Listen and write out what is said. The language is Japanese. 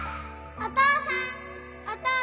・お父さん！